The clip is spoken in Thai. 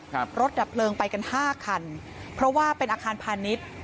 รถดับเพลิงไปกันห้าคันเพราะว่าเป็นอาคารพาณิชย์